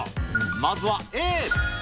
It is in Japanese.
まずはＡ。